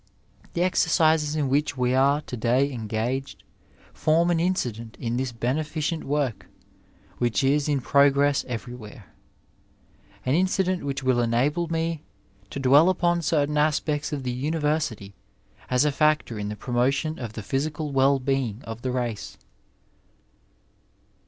The exercises in which we are to day engaged form an incident in this beneficent work which is in progress everywhere ; an incident which will enable me to dwell upon certain aspects of the imiversity as a factor in the promotion of the physical well being of the race.